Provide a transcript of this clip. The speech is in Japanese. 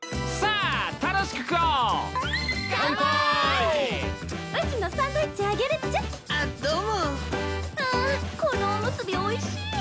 あこのおむすびおいしい。